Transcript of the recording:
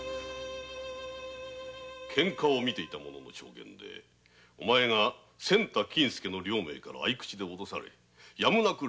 ケンカを見ていた者の証言でお前が仙太金助からアイクチで脅されやむなく